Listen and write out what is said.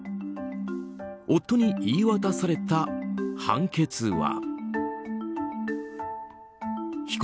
夫に言い渡された判決は。